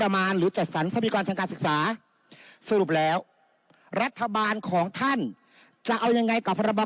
มาหรือจัดสรรทรัพยากรทางการศึกษาสรุปแล้วรัฐบาลของท่านจะเอายังไงกับพรบ